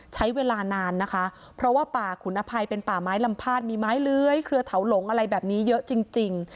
ใช้เวลานานนะคะเพราะว่าป่าขุนอภัยเป็นป่าไม้ลำพาดมีไม้เลื้อยเครือเถาหลงอะไรแบบนี้เยอะจริง